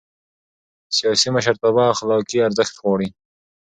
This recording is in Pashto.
سیاسي مشرتابه اخلاقي ارزښت غواړي